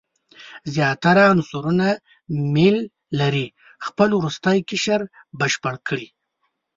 زیاتره عنصرونه میل لري خپل وروستی قشر بشپړ کړي.